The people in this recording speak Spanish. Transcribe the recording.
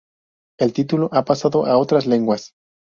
El título ha pasado a otras lenguas.